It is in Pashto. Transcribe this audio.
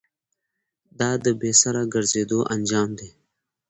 دا د بې سره گرځېدو انجام دی.